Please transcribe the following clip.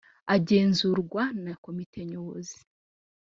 agenzurwa na komite nyobozi